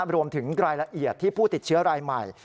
รวมถึงรายละเอียดที่ผู้ติดเชื้อรายใหม่